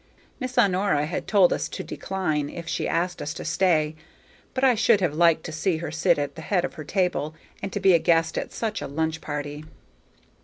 Miss Honora had told us to decline, if she asked us to stay; but I should have liked to see her sit at the head of her table, and to be a guest at such a lunch party.